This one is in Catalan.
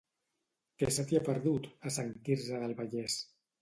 Què se t'hi ha perdut, a Sant Quirze del Valles?